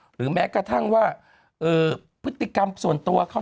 หรือแม้กระทั่งว่าพฤติกรรมส่วนตัวเขา